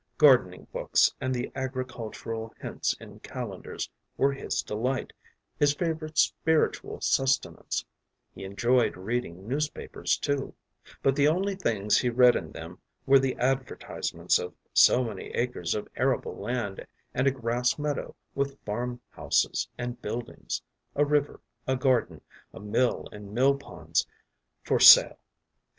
Gardening books and the agricultural hints in calendars were his delight, his favourite spiritual sustenance; he enjoyed reading newspapers, too, but the only things he read in them were the advertisements of so many acres of arable land and a grass meadow with farm houses and buildings, a river, a garden, a mill and millponds, for sale.